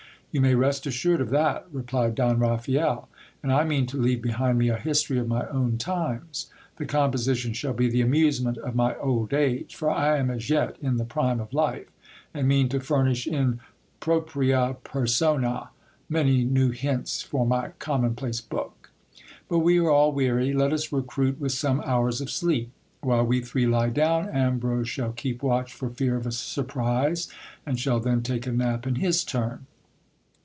You may rest assured of that, replied Don Raphael ; and I mean to leave behind me a history of my own times. The composition shall be the amusement of my old age, for I am as yet in the prime of life, and mean to furnish in propria persona many new hints tor my commonplace book. But we are all weary, let us recruit with some hours of sleep. While we three lie down, Ambrose shall keep watch for fear of £. surprise, and shall then take a nap in his turn.